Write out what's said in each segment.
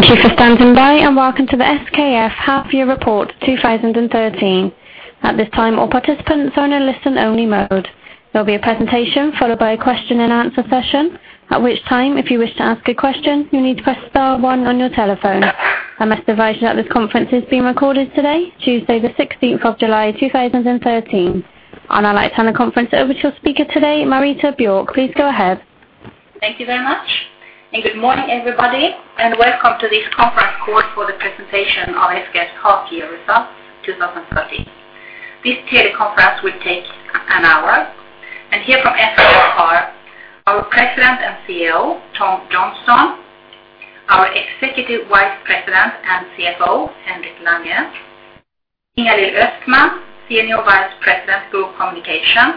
Thank you for standing by, and welcome to the SKF Half Year Report 2013. At this time, all participants are in a listen-only mode. There'll be a presentation followed by a question and answer session, at which time, if you wish to ask a question, you need to press star one on your telephone. I must advise you that this conference is being recorded today, Tuesday, the sixteenth of July, 2013. And I'd like to hand the conference over to your speaker today, Marita Björk. Please go ahead. Thank you very much, and good morning, everybody, and welcome to this conference call for the presentation of SKF Half Year Results, 2013. This teleconference will take an hour, and here from SKF are our President and CEO, Tom Johnstone, our Executive Vice President and CFO, Henrik Lange, Ingalill Östman, Senior Vice President, Group Communications,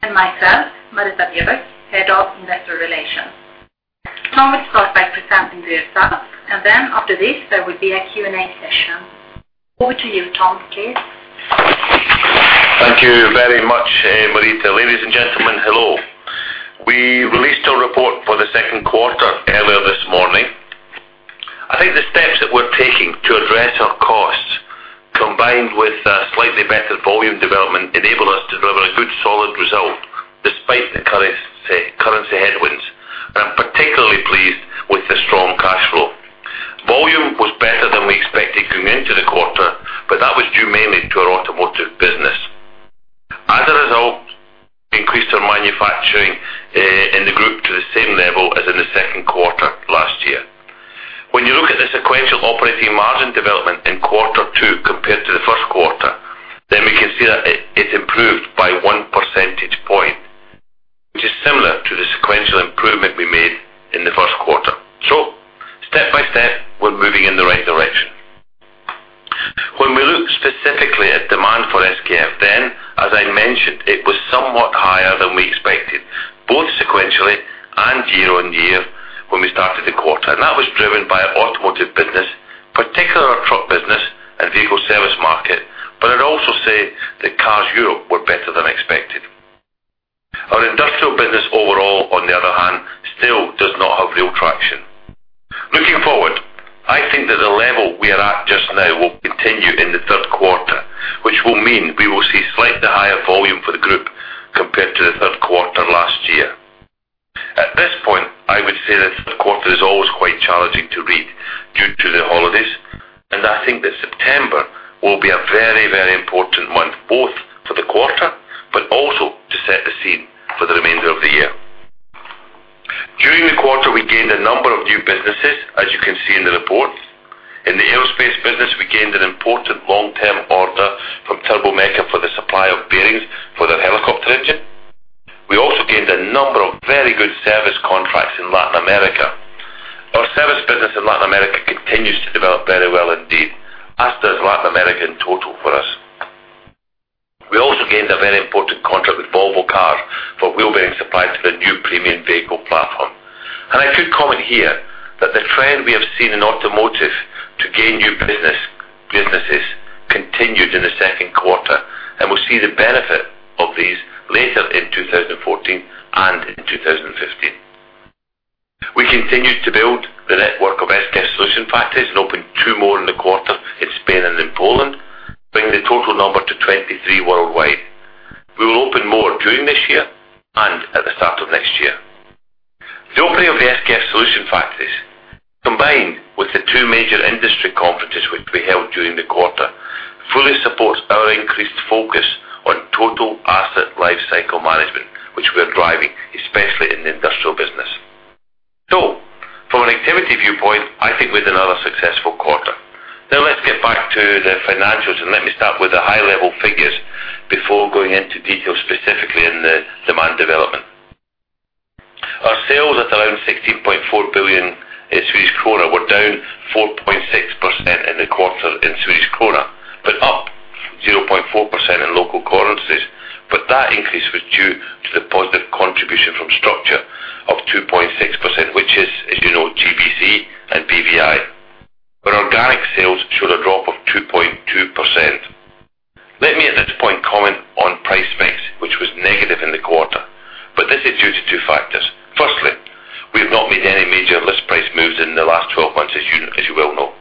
and myself, Marita Björk, Head of Investor Relations. Tom will start by presenting the results, and then after this, there will be a Q&A session. Over to you, Tom, please. Thank you very much, Marita. Ladies and gentlemen, hello. We released our report for the Q2 earlier this morning. I think the steps that we're taking to address our costs, combined with a slightly better volume development, enable us to deliver a good, solid result despite the currency headwinds. I'm particularly pleased with the strong cash flow. Volume was better than we expected going into the quarter, but that was due mainly to our Automotive business. As a result, we increased our manufacturing in the group to the same level as in the Q2 last year. When you look at the sequential operating margin development in quarter two compared to the Q1, then we can see that it improved by one percentage point, which is similar to the sequential improvement we made in the Q1. So step by step, we're moving in the right direction. When we look specifically at demand for SKF, then, as I mentioned, it was somewhat higher than we expected, both sequentially and year-on-year when we started the quarter, and that was driven by our Automotive business, particularly our Truck business and Vehicle Service Market. But I'd also say that Cars Europe were better than expected. Our industrial business overall, on the other hand, still does not have real traction. Looking forward, I think that the level we are at just now will continue in the Q3, which will mean we will see slightly higher volume for the group compared to the Q3 last year. At this point, I would say the Q3 is always quite challenging to read due to the holidays, and I think that September will be a very, very important month, both for the quarter, but also to set the scene for the remainder of the year. During the quarter, we gained a number of new businesses, as you can see in the report. In the Aerospace business, we gained an important long-term order from Turbomeca for the supply of bearings for their helicopter engine. We also gained a number of very good service contracts in Latin America. Our service business in Latin America continues to develop very well indeed, as does Latin America in total for us. We also gained a very important contract with Volvo Cars for wheel bearing supply to the new premium vehicle platform. I could comment here that the trend we have seen in automotive to gain new business, business continued in the Q2, and we'll see the benefit of these later in 2014 and in 2015. We continued to build the network of SKF Solution Factories and opened two more in the quarter in Spain and in Poland, bringing the total number to 23 worldwide. We will open more during this year and at the start of next year. The opening of the SKF Solution Factories, combined with the two major industry conferences, which we held during the quarter, fully supports our increased focus on Total Asset Lifecycle Management, which we are driving, especially in the industrial business. From an activity viewpoint, I think we had another successful quarter. Now, let's get back to the financials, and let me start with the high-level figures before going into detail, specifically in the demand development. Our sales at around 16.4 billion Swedish kronor were down 4.6% in the quarter in Swedish krona, but up 0.4% in local currencies. But that increase was due to the positive contribution from structure of 2.6%, which is, as you know, GBC and BVI, where organic sales showed a drop of 2.2%. Let me, at this point, comment on price mix, which was negative in the quarter, but this is due to two factors. Firstly, we have not made any major list price moves in the last 12 months, as you, as you well know.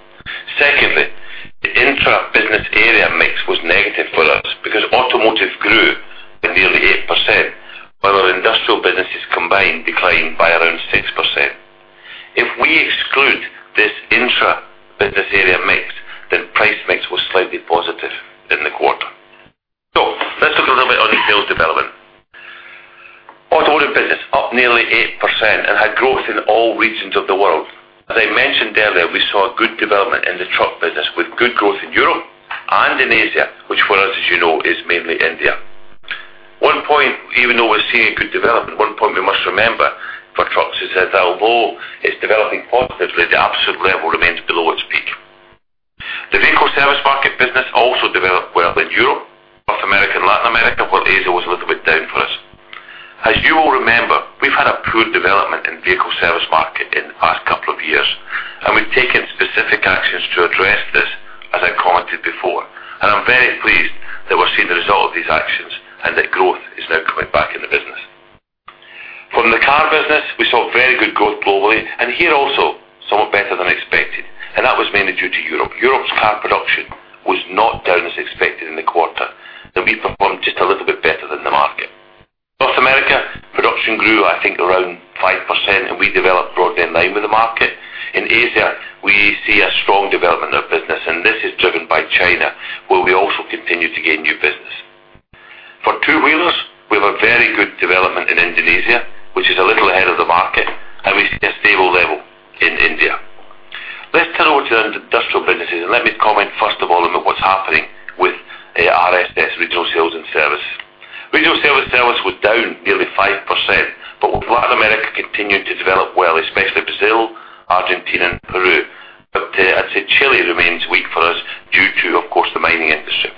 Secondly, the intra-business area mix was negative for us because automotive grew to nearly 8%, while our Industrial businesses combined declined by around 6%. If we exclude this intra-business area mix, then price mix was slightly positive in the quarter. So let's look a little bit on the sales development. Automotive business up nearly 8% and had growth in all regions of the world. As I mentioned earlier, we saw a good development in the Truck business, with good growth in Europe and in Asia, which for us, as you know, is mainly India. One point, even though we're seeing a good development, one point we must remember for trucks is that although it's developing positively, the absolute level remains below its peak. The Vehicle Service Market business also developed well in Europe, North America, and Latin America, but Asia was a little bit down for us. As you will remember, we've had a poor development in Vehicle Service Market in the past couple of years, and we've taken specific actions to address this, as I commented before. And I'm very pleased that we're seeing the result of these actions and that growth is now coming back in the business. From the Car business, we saw very good growth globally, and here also, somewhat better than expected, and that was mainly due to Europe. Europe's car production was not down as expected in the quarter, and we performed just a little bit better than the market. North America, production grew, I think, around 5%, and we developed broadly in line with the market. In Asia, we see a strong development of business, and this is driven by China, where we also continue to gain new business. For two-wheelers, we have a very good development in Indonesia, which is a little ahead of the market, and we see a stable level in India. Let's turn over to the Industrial businesses, and let me comment first of all, about what's happening with RSS, Regional Sales and Service. Regional Sales and Service were down nearly 5%, but with Latin America continuing to develop well, especially Brazil, Argentina, and Peru. But I'd say Chile remains weak for us due to, of course, the mining industry.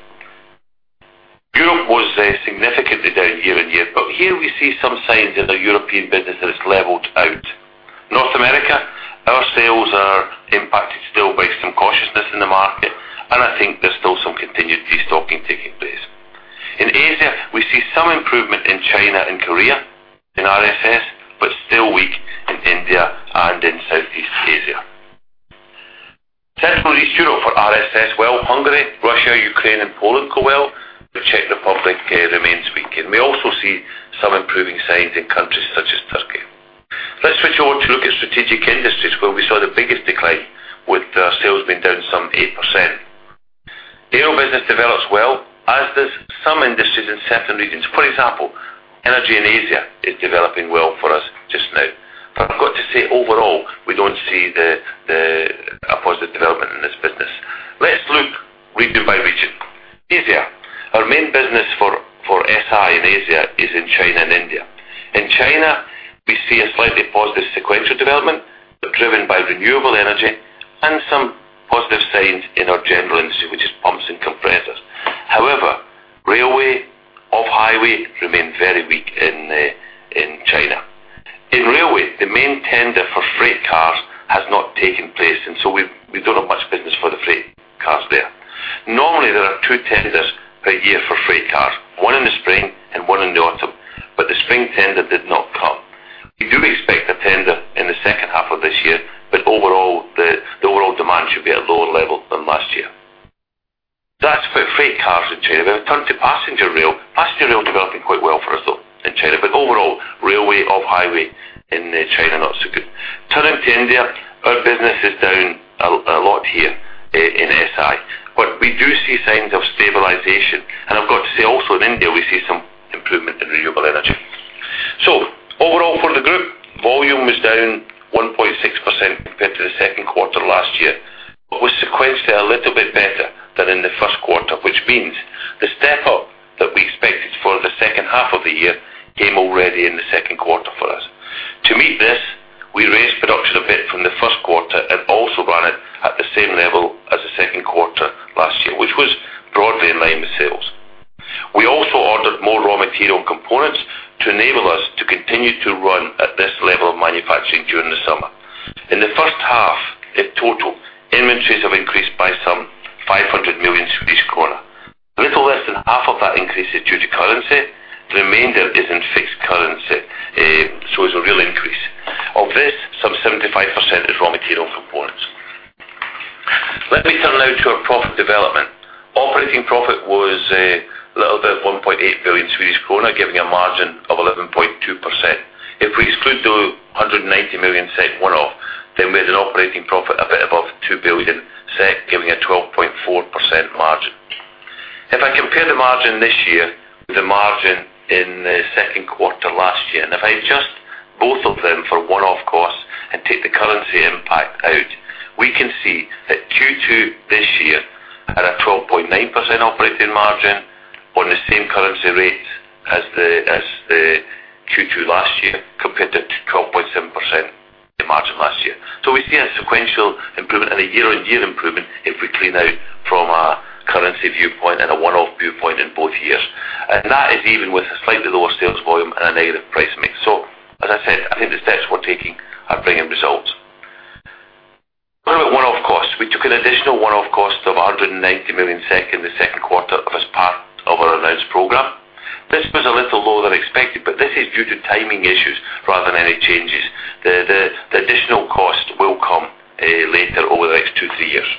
Europe was significantly down year-over-year, but here we see some signs that the European business has leveled out. North America, our sales are impacted still by some cautiousness in the market, and I think there's still some continued destocking taking place. In Asia, we see some improvement in China and Korea, in RSS, but still weak in India and in Southeast Asia. Central and Eastern Europe for RSS, well, Hungary, Russia, Ukraine, and Poland go well. The Czech Republic remains weak, and we also see some improving signs in countries such as Turkey. Let's switch over to look at Strategic Industries, where we saw the biggest decline with our sales being down some 8%. The auto business develops well, as does some industries in certain regions. For example, energy in Asia is developing well for us just now, but I've got to say, overall, we don't see the, the, a positive development in this business. Let's look region by region. Asia, our main business for, for SI in Asia is in China and India. In China, we see a slightly positive sequential development, but driven by Renewable Energy and some positive signs in our General Industry, which is pumps and compressors. However, railway off-highway remain very weak in in China. In railway, the main tender for freight cars has not taken place, and so we don't have much business for the freight cars there. Normally, there are two tenders per year for freight cars, one in the spring and one in the autumn, but the spring tender did not come. We do expect a tender in the H2 of this year, but overall, the overall demand should be at a lower level than last year. That's for freight cars in China. We now turn to Passenger Rail. Passenger Rail is developing quite well for us, though, in China, but overall, railway off-highway in China, not so good. Turning to India, our business is down a lot here in SI, but we do see signs of stabilization. I've got to say, also in India, we see some improvement in Renewable Energy. Overall for the group, volume was down 1.6% compared to the Q2 last year, but was sequentially a little bit better than in the Q1, which means the step up that we expected for the H2 of the year came already in the Q2 for us. To meet this, we raised production a bit from the Q1 and also ran it at the same level as the Q2 last year, which was broadly in line with sales. We also ordered more raw material components to enable us to continue to run at this level of manufacturing during the summer. In the H1, in total, inventories have increased by some 500 million Swedish kronor. A little less than half of that increase is due to currency. The remainder is in fixed currency, so it's a real increase. Of this, some 75% is raw material components. Let me turn now to our profit development. Operating profit was a little bit 1.8 billion Swedish krona, giving a margin of 11.2%. If we exclude the 190 million one-off, then we had an operating profit a bit above 2 billion, giving a 12.4% margin. If I compare the margin this year with the margin in the Q2 last year, and if I adjust both of them for one-off costs and take the currency impact out, we can see that Q2 this year, at a 12.9% operating margin, on the same currency rate as the, as the Q2 last year, compared to 12.7% the margin last year. So we see a sequential improvement and a year-on-year improvement if we clean out from a currency viewpoint and a one-off viewpoint in both years. And that is even with a slightly lower sales volume and a negative price mix. So, as I said, I think the steps we're taking are bringing results. What about one-off costs? We took an additional one-off cost of 190 million SEK in the Q2 as part of our announced program. This was a little lower than expected, but this is due to timing issues rather than any changes. The additional cost will come later over the next two to three years.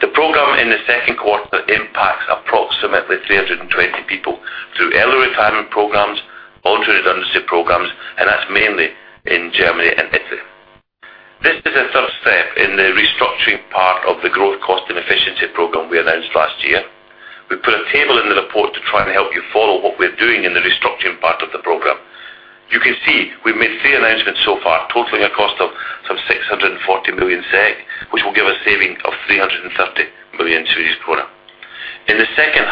The program in the Q2 impacts approximately 320 people through early retirement programs, voluntary redundancy programs, and that's mainly in Germany and Italy. This is the third step in the restructuring part of the growth cost and efficiency program we announced last year. We put a table in the report to try and help you follow what we're doing in the restructuring part of the program. You can see we've made three announcements so far, totaling a cost of some 640 million SEK, which will give a saving of 330 million Swedish krona. In the H2,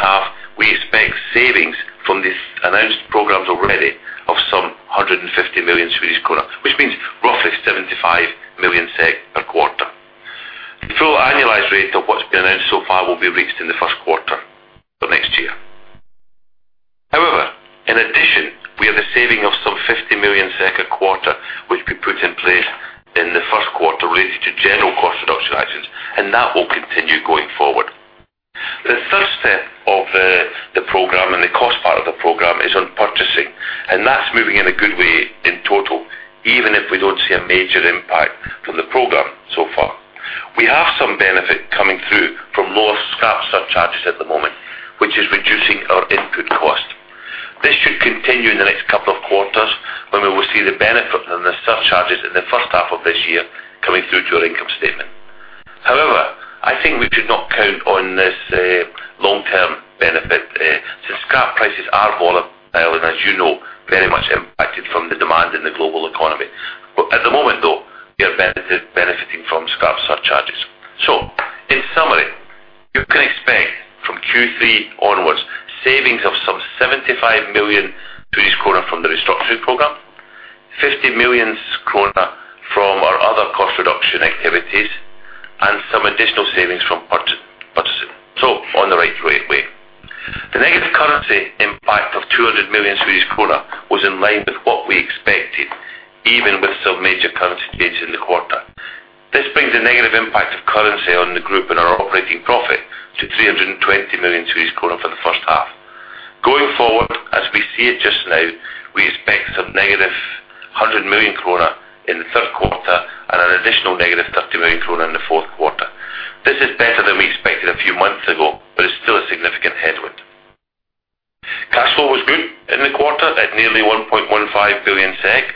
we expect savings from these announced programs already of some 150 million, which means roughly 75 million per quarter. The full annualized rate of what's been announced so far will be released in the Q1 of next year. However, in addition, we have a saving of some 50 million a quarter, which we put in place in the Q1 related to general cost reductions, and that will continue going forward. Of the program and the cost part of the program is on purchasing, and that's moving in a good way in total, even if we don't see a major impact from the program so far. We have some benefit coming through from lower scrap surcharges at the moment, which is reducing our input cost. This should continue in the next couple of quarters, when we will see the benefit from the surcharges in the H1 of this year coming through to our income statement. However, I think we should not count on this long-term benefit since scrap prices are volatile, and as you know, very much impacted from the demand in the global economy. But at the moment, though, we are benefiting from scrap surcharges. So in summary, you can expect from Q3 onwards, savings of some 75 million from the restructuring program, 50 million kronor from our other cost reduction activities, and some additional savings from purchasing. So on the right way. The negative currency impact of 200 million Swedish krona was in line with what we expected, even with some major currency changes in the quarter. This brings a negative impact of currency on the group and our operating profit to 320 million Swedish kronor for the H1. Going forward, as we see it just now, we expect some negative 100 million krona in the Q3 and an additional negative 30 million krona in the Q4. This is better than we expected a few months ago, but it's still a significant headwind. Cash flow was good in the quarter at nearly 1.15 billion SEK.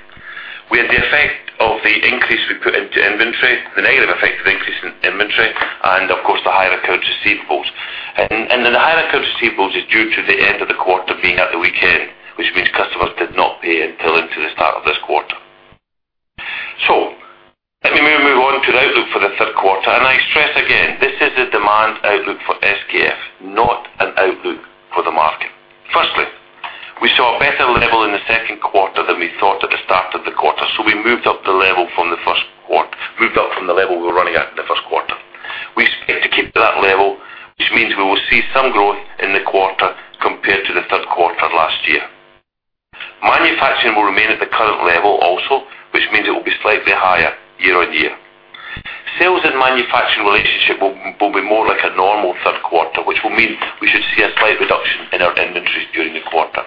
We had the effect of the increase we put into inventory, the negative effect of increase in inventory and, of course, the higher account receivables. And, and then the higher account receivables is due to the end of the quarter being at the weekend, which means customers did not pay until into the start of this quarter. So let me now move on to the outlook for the Q3, and I stress again, this is a demand outlook for SKF, not an outlook for the market. Firstly, we saw a better level in the Q2 than we thought at the start of the quarter, so we moved up from the level we were running at in the Q1. We expect to keep to that level, which means we will see some growth in the quarter compared to the Q3 last year. Manufacturing will remain at the current level also, which means it will be slightly higher year-on-year. Sales and manufacturing relationship will, will be more like a normal Q3, which will mean we should see a slight reduction in our inventory during the quarter.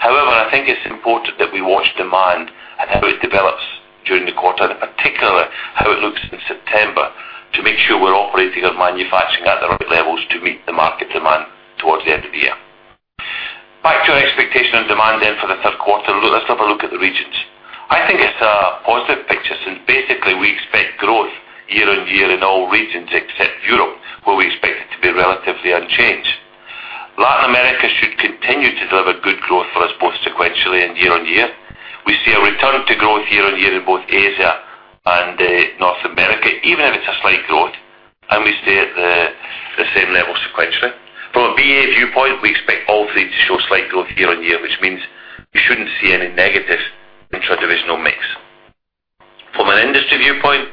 However, I think it's important that we watch demand and how it develops during the quarter, and in particular, how it looks in September, to make sure we're operating our manufacturing at the right levels to meet the market demand towards the end of the year. Back to our expectation on demand, then, for the Q3. Let's have a look at the regions. I think it's a positive picture, since basically we expect growth year-on-year in all regions except Europe, where we expect it to be relatively unchanged. Latin America should continue to deliver good growth for us, both sequentially and year-on-year. We see a return to growth year-on-year in both Asia and North America, even if it's a slight growth, and we stay at the same level sequentially. From a BA viewpoint, we expect all three to show slight growth year-over-year, which means we shouldn't see any negatives in our divisional mix. From an industry viewpoint,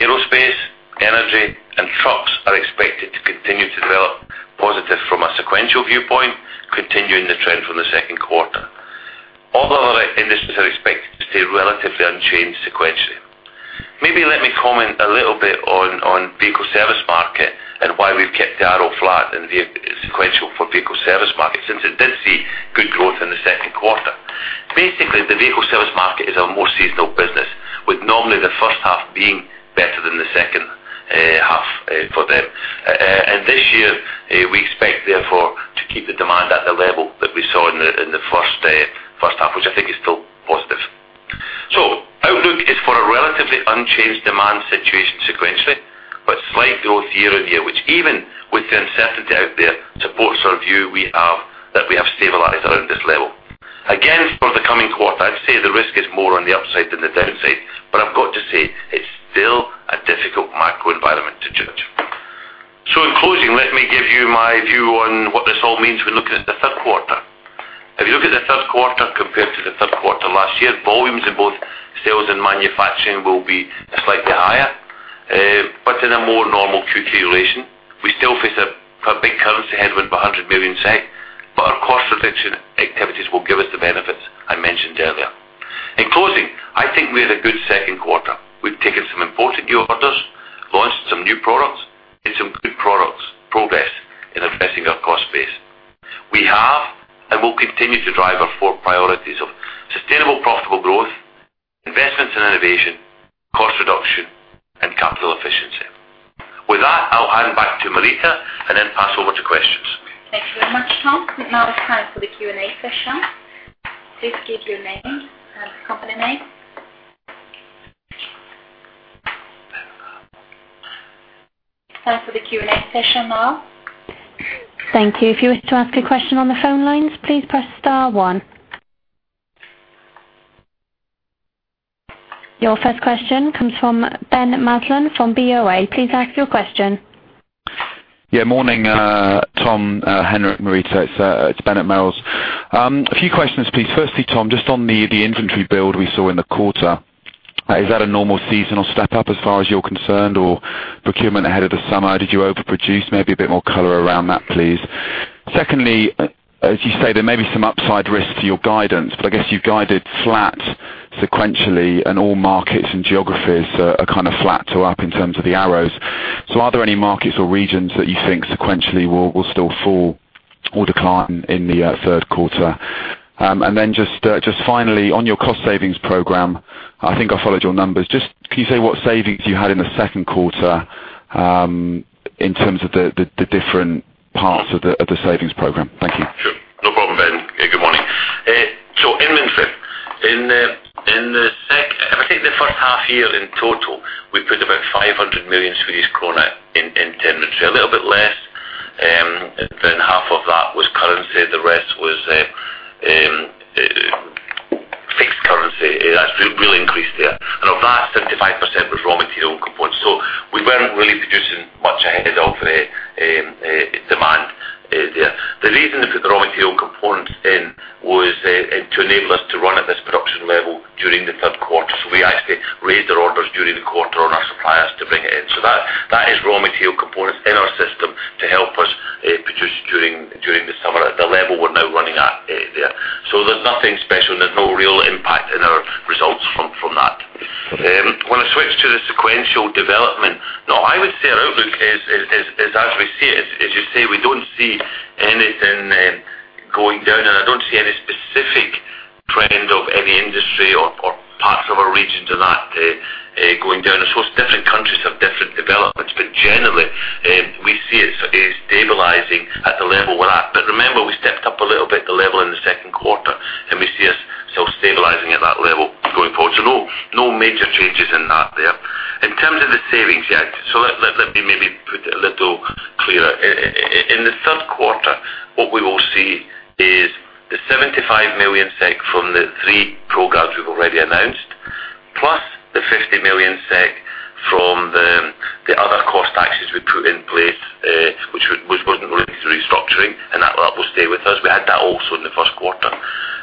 aerospace, energy, and trucks are expected to continue to develop positive from a sequential viewpoint, continuing the trend from the Q2. All the other industries are expected to stay relatively unchanged sequentially. Maybe let me comment a little bit on Vehicle Service Market and why we've kept the arrow flat in the sequential for Vehicle Service Market, since it did see good growth in the Q2. Basically, the Vehicle Service Market is a more seasonal business, with normally the H1 being better than the H2 for them. And this year, we expect, therefore, to keep the demand at the level that we saw in the H1, which I think is still positive. So outlook is for a relatively unchanged demand situation sequentially, but slight growth year-on-year, which even with the uncertainty out there, supports our view we have, that we have stabilized around this level. Again, for the coming quarter, I'd say the risk is more on the upside than the downside, but I've got to say, it's still a difficult macro environment to judge. So in closing, let me give you my view on what this all means when looking at the Q3. If you look at the Q3 compared to the Q3 last year, volumes in both sales and manufacturing will be slightly higher, but in a more normal Q3 relation. We still face a big currency headwind of 100 million, but our cost reduction activities will give us the benefits I mentioned earlier. In closing, I think we had a good Q2. We've taken some important new orders, launched some new products, and some good products, progress in addressing our cost base. We have, and will continue to drive our four priorities of sustainable, profitable growth, investments in innovation, cost reduction, and capital efficiency. With that, I'll hand back to Marita and then pass over to questions. Thank you very much, Tom. Now it's time for the Q&A session. Please state your name and company name. Time for the Q&A session now. Thank you. If you wish to ask a question on the phone lines, please press star one. Your first question comes from Ben Maslen from BofA. Please ask your question. Yeah, morning, Tom, Henrik, Marita. It's, it's Ben at Merrill's. A few questions, please. Firstly, Tom, just on the inventory build we saw in the quarter, is that a normal seasonal step up as far as you're concerned, or procurement ahead of the summer? Did you overproduce? Maybe a bit more color around that, please. Secondly, as you say, there may be some upside risk to your guidance, but I guess you've guided flat sequentially, and all markets and geographies are kind of flat to up in terms of the arrows. So are there any markets or regions that you think sequentially will still fall or decline in the Q3? And then just finally, on your cost savings program, I think I followed your numbers. Just can you say what savings you had in the Q2, in terms of the different parts of the savings program? Thank you. Sure. No problem, Ben. Good morning. So inventory. In the H1 year in total, we put about 500 million Swedish krona in inventory, a little bit less than half of that was currency. The rest was fixed currency. That's real, real increased there. And of that, 75% was raw material components. So we weren't really producing much ahead of demand there. The reason we put the raw material components in was to enable us to run at this production level during the Q3. So we actually raised our orders during the quarter on our suppliers to bring it in. So that is raw material components in our system to help us produce during the summer at the level we're now running at there. There's nothing special, and there's no real impact in our results from that. Okay. When I switch to the sequential development, now I would say our outlook is as we see it, as you say, we don't see anything going down, and I don't see any specific trend of any industry or parts of our regions of that going down. I suppose different countries have different developments, but generally, we see it sort of stabilizing at the level we're at. But remember, we stepped up a little bit, the level in the Q2, and we see us still stabilizing at that level going forward. So no, no major changes in that there. In terms of the savings, yeah, so let me maybe put it a little clearer. In the Q3, what we will see is the 75 million SEK from the three programs we've already announced, plus the 50 million SEK from the other cost actions we put in place, which wasn't related to restructuring, and that will stay with us. We had that also in the Q1.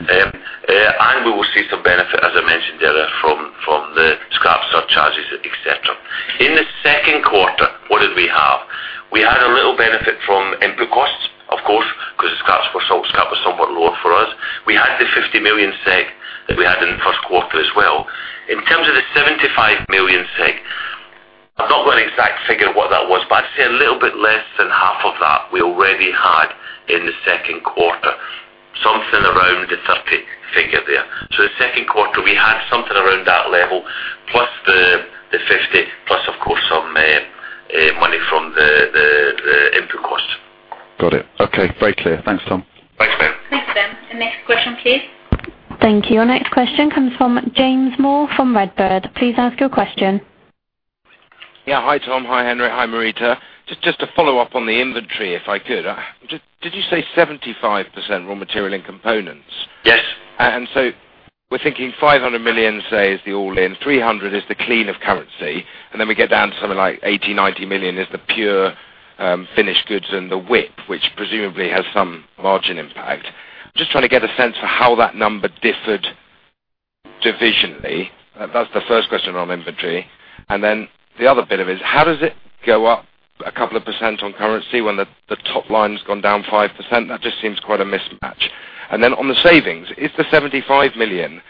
And we will see some benefit, as I mentioned earlier, from the scrap surcharges, et cetera. In the Q2, what did we have? We had a little benefit from input costs, of course, because the scrap was somewhat lower for us. We had the 50 million SEK that we had in the Q1 as well. In terms of the 75 million SEK, I've not got an exact figure of what that was, but I'd say a little bit less than half of that we already had in the Q2, something around the 30 figure there. So the Q2, we had something around that level, plus the 50, plus, of course, some money from the input cost. Got it. Okay, very clear. Thanks, Tom. Thanks, Ben. Thanks, Ben. The next question, please. Thank you. Our next question comes from James Moore from Redburn. Please ask your question. Yeah. Hi, Tom. Hi, Henrik. Hi, Marita. Just to follow up on the inventory, if I could. Did you say 75% raw material and components? Yes. So we're thinking 500 million, say, is the all-in, 300 million is the clean of currency, and then we get down to something like 80-90 million is the pure, finished goods and the WIP, which presumably has some margin impact. Just trying to get a sense for how that number differed divisionally. That's the first question on inventory. And then the other bit of it is: How does it go up a couple of percent on currency when the top line's gone down 5%? That just seems quite a mismatch. And then on the savings, is the 75 million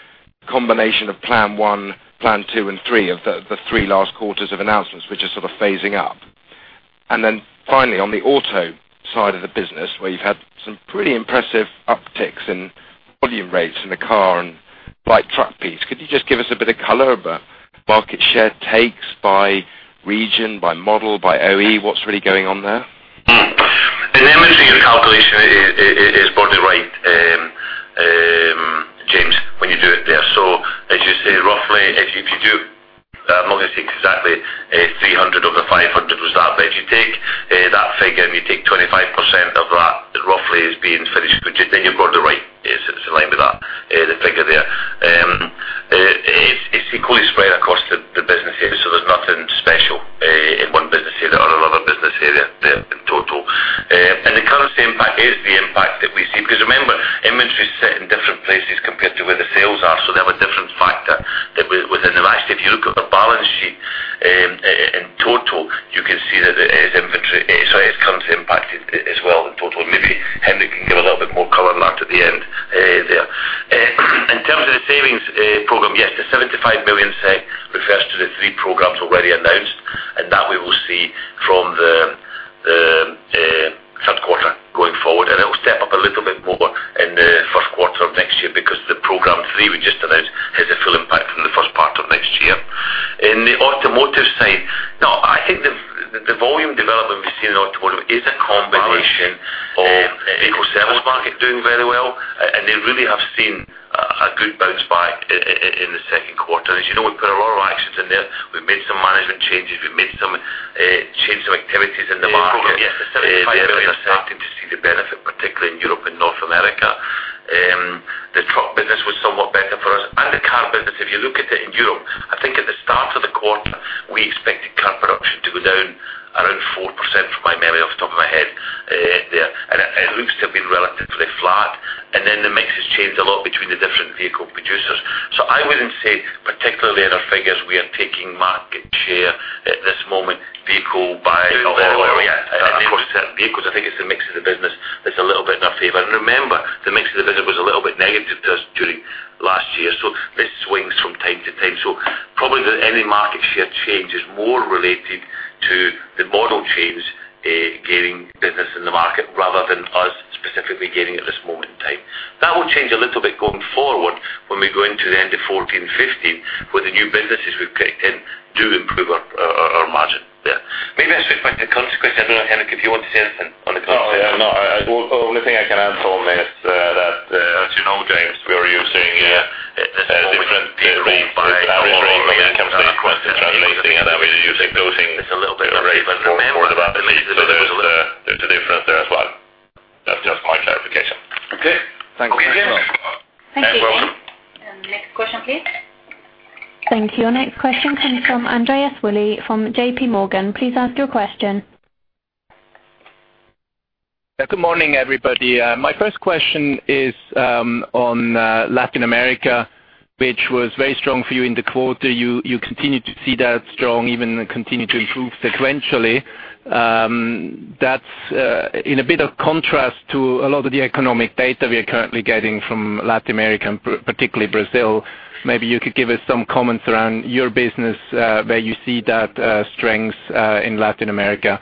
combination of plan one, plan two, and three of the three last quarters of announcements, which are sort of phasing up? And then finally, on the auto side of the business, where you've had some pretty impressive upticks in volume rates in the car and light truck piece, could you just give us a bit of color about market share takes by region, by model, by OE? What's really going on there? In inventory, your calculation is broadly right, James, when you do it there. So as you say, roughly, if you do... I'm not gonna say exactly, 300 of the 500 was that. But you take that figure, and you take 25% of that roughly as being finished goods, I think you've got the right, is in line with that, the figure there. It's equally spread across the business areas, so there's nothing special in one business area or another business area there in total. And the currency impact is the impact that we see, because remember, inventory is set in different places compared to where the sales are, so they have a different factor that we within the mix. If you look at the Thank you. Thank you. Next question, please. Thank you. Our next question comes from Andreas Willi from J.P. Morgan. Please ask your question. Yeah, good morning, everybody. My first question is on Latin America, which was very strong for you in the quarter. You continue to see that strong even continue to improve sequentially. That's in a bit of contrast to a lot of the economic data we are currently getting from Latin America, and particularly Brazil. Maybe you could give us some comments around your business, where you see that strength in Latin America.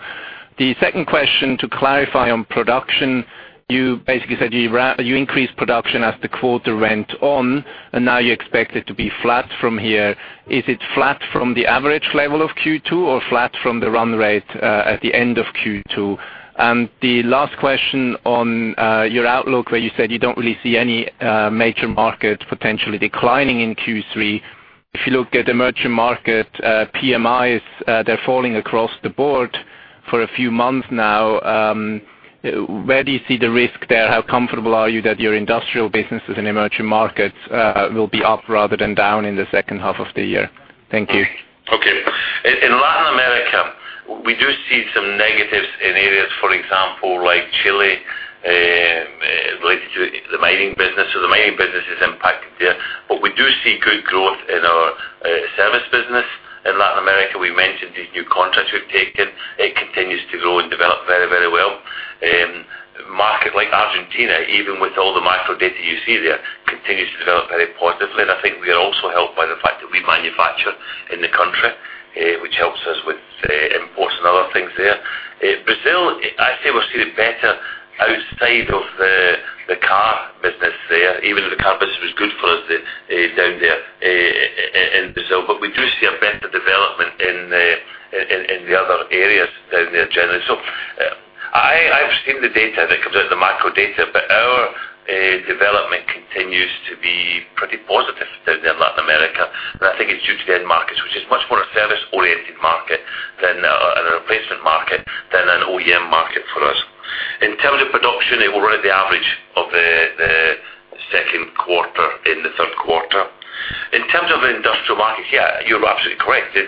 The second question, to clarify on production, you basically said you increased production as the quarter went on, and now you expect it to be flat from here. Is it flat from the average level of Q2, or flat from the run rate at the end of Q2? The last question on your outlook, where you said you don't really see any major market potentially declining in Q3. If you look at the merchant market, PMIs, they're falling across the board for a few months now. Where do you see the risk there? How comfortable are you that your Industrial businesses in emerging markets will be up rather than down in the H2 of the year? Thank you. Okay. In Latin America, we do see some negatives in areas, for example, like Chile, related to the mining business. So the mining business is impacted there. But we do see good growth in our service business in Latin America. We mentioned these new contracts we've taken. It continues to grow and develop very, very well. Market like Argentina, even with all the macro data you see there, continues to develop very positively, and I think we are also helped by the fact that we manufacture in the country, which helps us with imports and other things there. Brazil, I say we're seeing it better outside of the Car business there, even though the Car business was good for us down there in Brazil. But we do see a better development in the other areas down there generally. So, I've seen the data that comes out, the macro data, but our development continues to be pretty positive down there in Latin America, and I think it's due to the end markets, which is much more a service-oriented market than a replacement market than an OEM market for us. In terms of production, it will run at the average of the Q2 in the Q3. In terms of Industrial Market, yeah, you're absolutely correct. The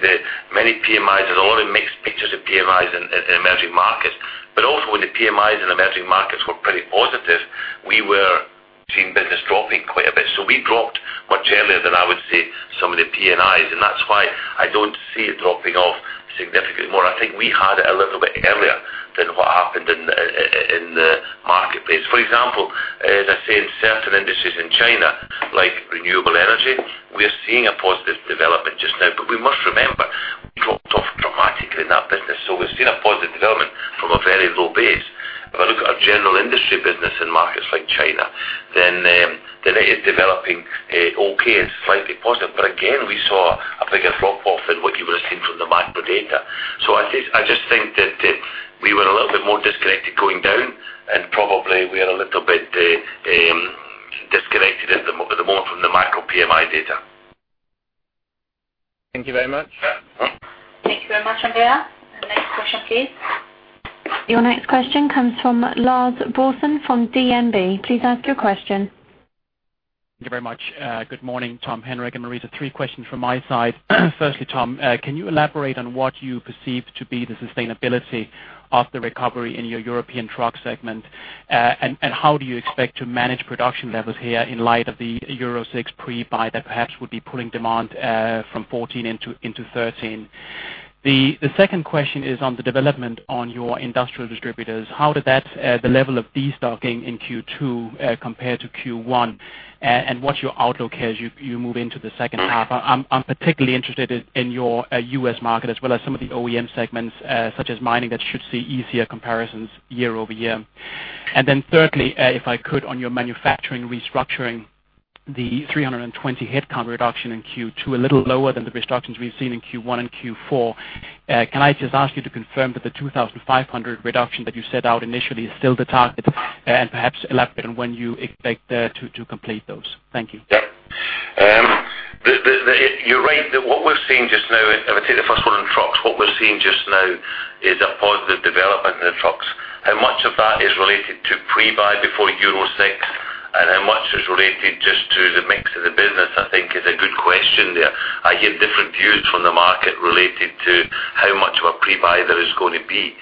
many PMIs, there's a lot of mixed pictures of PMIs in emerging markets. But also, when the PMIs in emerging markets were pretty positive, we were seeing business dropping quite a bit. So we dropped much earlier than I would say, some of the PMIs, and that's why I don't see it dropping off significantly more. I think we had it a little bit earlier than what happened in the marketplace. For example, as I say, in certain industries in China, like Renewable Energy, we are seeing a positive development just now. But we must remember, we dropped off dramatically in that business. So we're seeing a positive development from a very low base. If I look at our General Industry business in markets like China, then, then it is developing, okay, it's slightly positive. But again, we saw a bigger drop-off than what you would have seen from the macro data. So I just, I just think that we were a little bit more disconnected going down, and probably we are a little bit disconnected at the moment from the macro PMI data. Thank you very much. Thank you very much, Andreas. Next question, please. Your next question comes from Lars Brorson from DNB. Please ask your question. Thank you very much. Good morning, Tom, Henrik, and Marita. Three questions from my side. Firstly, Tom, can you elaborate on what you perceive to be the sustainability of the recovery in your European truck segment? And how do you expect to manage production levels here in light of the Euro 6 pre-buy that perhaps would be pulling demand from 2014 into 2013? The second question is on the development on your industrial distributors. How did the level of destocking in Q2 compare to Q1 and what's your outlook as you move into the H2? I'm particularly interested in your U.S. market, as well as some of the OEM segments such as mining, that should see easier comparisons year-over-year. And then thirdly, if I could, on your manufacturing restructuring, the 320 headcount reduction in Q2, a little lower than the reductions we've seen in Q1 and Q4. Can I just ask you to confirm that the 2,500 reduction that you set out initially is still the target, and perhaps elaborate on when you expect to complete those? Thank you. Yeah. You're right. What we're seeing just now, if I take the first one on trucks, what we're seeing just now is a positive development in the trucks. How much of that is related to pre-buy before Euro 6, and how much is related just to the mix of the business, I think is a good question there. I get different views from the market related to how much of a pre-buy there is going to be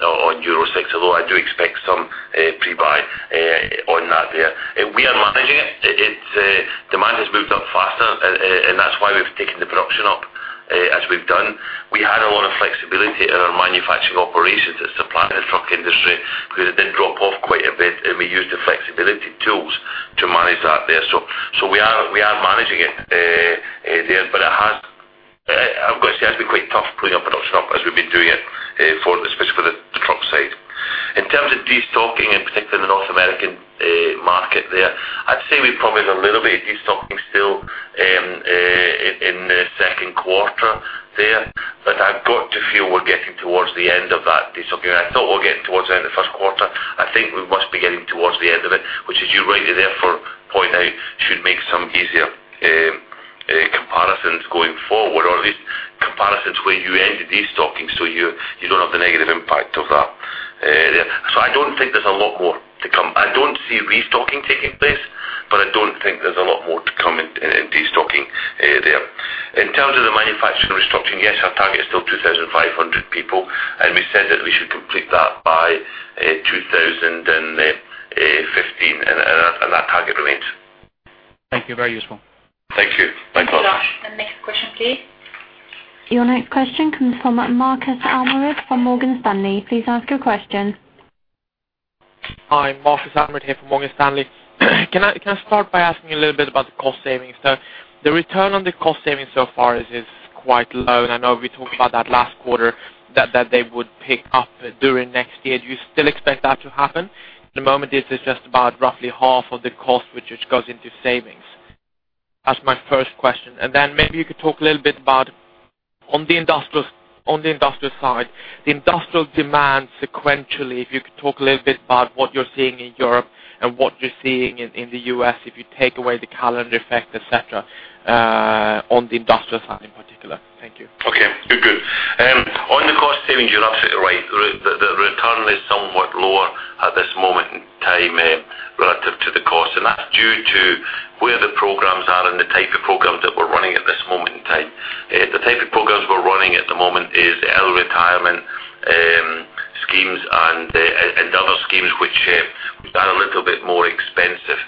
on Euro 6, although I do expect some pre-buy on that there. We are managing it. It's demand has moved up faster, and that's why in our manufacturing operations that supply the truck industry, because it did drop off quite a bit, and we used the flexibility tools to manage that there. So, we are managing it there, but it has, I've got to say, it's been quite tough putting up and option up as we've been doing it, for the, specifically for the truck side. In terms of destocking, in particular in the North American market there, I'd say we probably have a little bit of destocking still, in the Q2 there. But I've got to feel we're getting towards the end of that destocking. I thought we were getting towards the end of the Q1. I think we must be getting towards the end of it, which as you rightly therefore point out, should make some easier comparisons going forward, or at least comparisons where you end destocking, so you don't have the negative impact of that there. I don't think there's a lot more to come. I don't see restocking taking place, but I don't think there's a lot more to come in destocking there. In terms of the manufacturing restructuring, yes, our target is still 2,500 people, and we said that we should complete that by 2015, and that target remains. Thank you. Very useful. Thank you. Bye bye. Thanks, Josh. The next question, please. Your next question comes from Marcus Almered from Morgan Stanley. Please ask your question. Hi, Marcus Almered here from Morgan Stanley. Can I start by asking a little bit about the cost savings? So the return on the cost savings so far is quite low, and I know we talked about that last quarter, that they would pick up during next year. Do you still expect that to happen? At the moment, this is just about roughly half of the cost, which just goes into savings. That's my first question. And then maybe you could talk a little bit about, on the industrial side, the industrial demand sequentially, if you could talk a little bit about what you're seeing in Europe and what you're seeing in the US, if you take away the calendar effect, et cetera, on the industrial side in particular. Thank you. Okay, good, good. On the cost savings, you're absolutely right. The return is somewhat lower at this moment in time relative to the cost, and that's due to where the programs are and the type of programs that we're running at this moment in time. The type of programs we're running at the moment is early retirement schemes and other schemes which are a little bit more expensive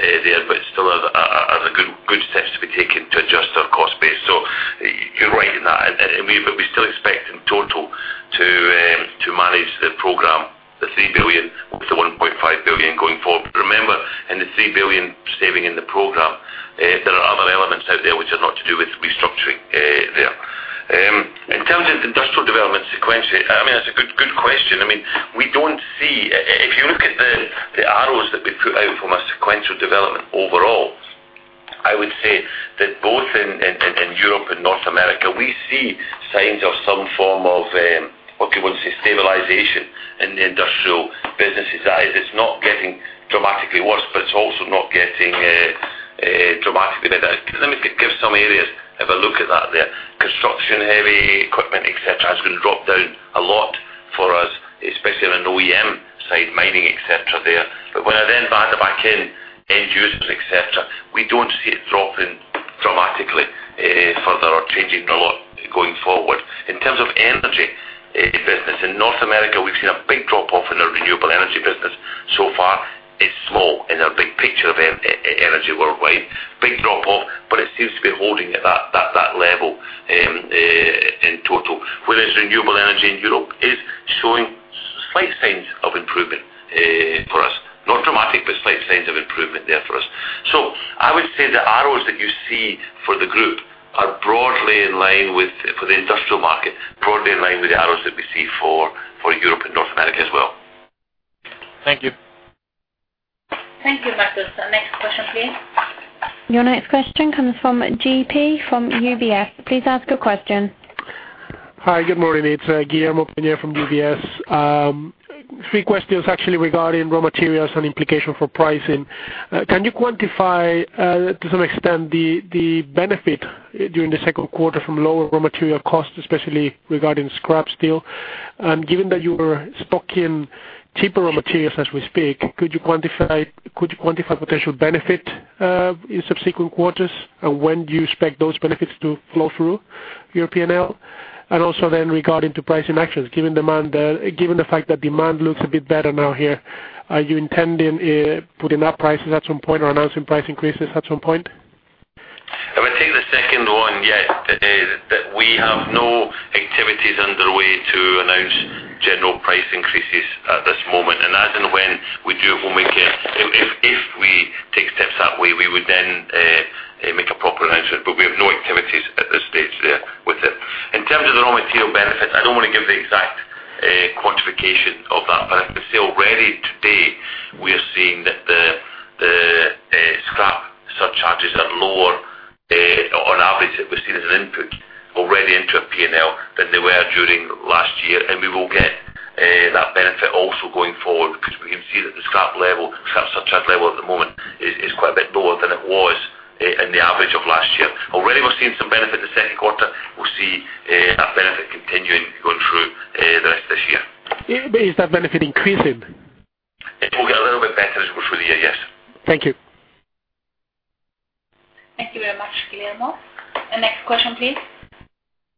there, but still are good steps to be taken to adjust our cost base. So you're right in that, and we still expect in total to manage the program, the 3 billion, with the 1.5 billion going forward. But remember, in the 3 billion saving in the program, there are other elements out there which are not to do with restructuring there. In terms of industrial development sequentially, I mean, that's a good, good question. I mean, we don't see... If you look at the arrows that we put out from a sequential development overall, I would say that both in Europe and North America, we see signs of some form of what you want to say, stabilization in the Industrial businesses. That is, it's not getting dramatically worse, but it's also not getting dramatically better. Let me give some areas. Have a look at that there. Construction, heavy equipment, et cetera, has been dropped down a lot for us, especially on an OEM side, mining, et cetera, there. But when I then factor back in end users, et cetera, we don't see it dropping dramatically further or changing a lot going forward. In terms of energy business in North America, we've seen a big drop-off in the Renewable Energy business. So far, it's small in our big picture of energy worldwide. Big drop-off, but it seems to be holding at that level in total. Whereas Renewable Energy in Europe is showing slight signs of improvement for us. Not dramatic, but slight signs of improvement there for us. So I would say the arrows that you see for the group are broadly in line with, for the Industrial Market, broadly in line with the arrows that we see for Europe and North America as well. Thank you. Thank you, Marcus. Our next question, please. Your next question comes from GP from UBS. Please ask your question. Hi, good morning. It's Guillermo Peigneux from UBS. Three questions actually regarding raw materials and implication for pricing. Can you quantify, to some extent, the benefit during the Q2 from lower raw material costs, especially regarding scrap steel? And given that you are stocking cheaper raw materials as we speak, could you quantify potential benefit in subsequent quarters? And when do you expect those benefits to flow through your P&L? And also then regarding to pricing actions, given demand, given the fact that demand looks a bit better now here, are you intending putting up prices at some point or announcing price increases at some point? If I take the second one, yes, that we have no activities underway to announce general price increases at this moment. And as and when we do, when we get, if we take steps that way, we would then make a proper announcement, but we have no activities at this stage there with it. In terms of the raw material benefits, I don't want to give the exact quantification of that, but I can say already today, we are seeing that the scrap surcharges are lower, on average, that we've seen as an input already into our P&L than they were during last year. We will get that benefit also going forward, because we can see that the scrap level, scrap surcharge level at the moment is quite a bit lower than it was in the average of last year. Already, we're seeing some benefit in the Q2. We'll see that benefit continuing going through the rest of this year. Yeah, but is that benefit increasing? It will get a little bit better as we go through the year. Yes. Thank you. Thank you very much, Guillermo. The next question, please.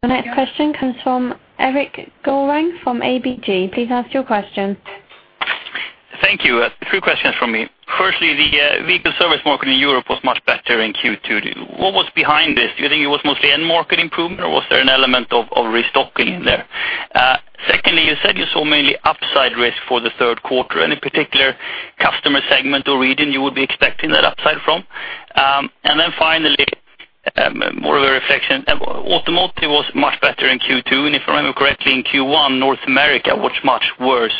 The next question comes from Erik Golrang from ABG. Please ask your question. Thank you. Three questions from me. Firstly, the Vehicle Service Market in Europe was much better in Q2. What was behind this? Do you think it was mostly end market improvement, or was there an element of restocking in there? Secondly, you said you saw mainly upside risk for the Q3. Any particular customer segment or region you would be expecting that upside from? And then finally, more of a reflection. automotive was much better in Q2, and if I remember correctly, in Q1, North America was much worse.